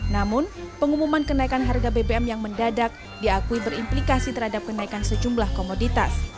namun pengumuman kenaikan harga bbm yang mendadak diakui berimplikasi terhadap kenaikan sejumlah komoditas